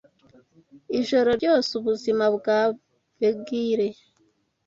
Ijoro ryose ubuzima bwa beguile